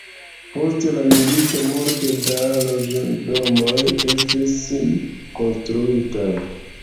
Post la milito multe da loĝdomoj estis konstruitaj.